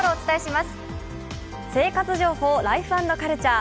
生活情報「ライフ＆カルチャー」。